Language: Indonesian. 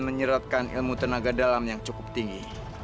menyerotkan ilmu tenaga dalam yang cukup tinggi